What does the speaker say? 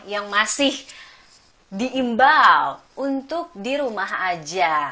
yang masih diimbau untuk di rumah aja